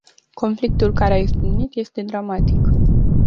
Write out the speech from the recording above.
Conflictul care a izbucnit este dramatic.